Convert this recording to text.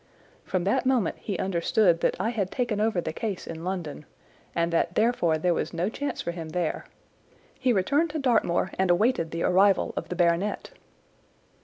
From that moment he understood that I had taken over the case in London, and that therefore there was no chance for him there. He returned to Dartmoor and awaited the arrival of the baronet."